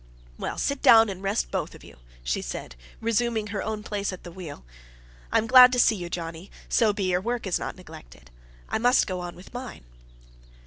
"Well, sit down and rest you both," she said, resuming her own place at the wheel. "I'm glad to see you, Johnnie, so be your work is not neglected. I must go on with mine."